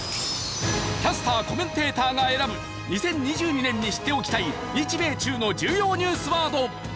キャスター・コメンテーターが選ぶ２０２２年に知っておきたい日米中の重要ニュースワード。